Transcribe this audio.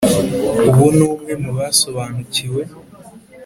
ubu ni umwe mu basobanukiwe,